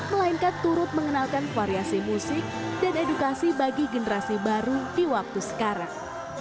melainkan turut mengenalkan variasi musik dan edukasi bagi generasi baru di waktu sekarang